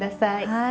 はい。